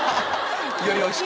よりおいしく。